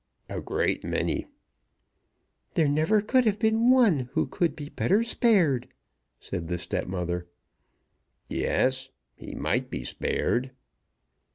"A great many." "There never could have been one who could be better spared," said the stepmother. "Yes; he might be spared."